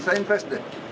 saya investasi deh